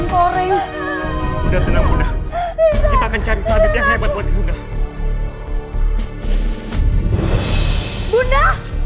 kita akan cari kelamin yang hebat buat bunda